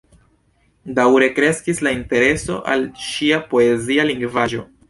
Daŭre kreskis la intereso al ŝia poezia lingvaĵo.